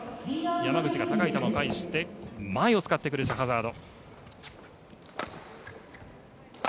山口が高い球を返して前を使ってくるシャハザード。